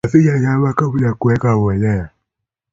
safisha shamba kabla ya kuweka mbolea